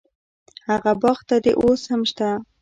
هغه باغ دې اوس هم شته.